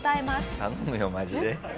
頼むよマジで。